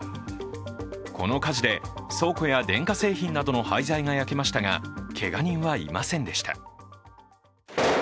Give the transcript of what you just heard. この火事で、倉庫や電化製品などの廃材が焼けましたがけが人はいませんでした。